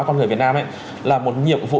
con người việt nam là một nhiệm vụ